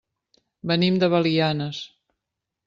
Venim de Belianes.